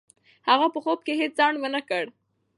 هغه په ځواب کې هېڅ ځنډ و نه کړ.